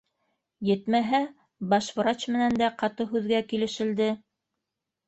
Етмәһә, баш врач менән дә ҡаты һүҙгә килешелде